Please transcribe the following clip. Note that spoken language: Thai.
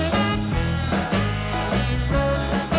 รับทราบ